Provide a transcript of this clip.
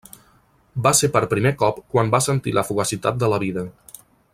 Va ser per primer cop quan va sentir la fugacitat de la vida.